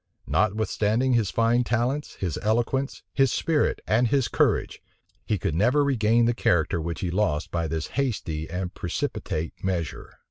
Notwithstanding his fine talents, his eloquence, his spirit, and his courage, he could never regain the character which he lost by this hasty and precipitate measure.